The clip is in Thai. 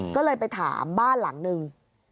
ก็เลยไปถามบ้านหลังนึง